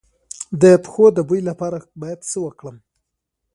د پښو د بوی لپاره باید څه وکړم؟